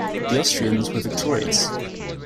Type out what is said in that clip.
The Austrians were victorious.